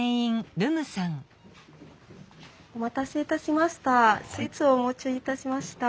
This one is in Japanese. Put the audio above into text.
お待たせいたしました。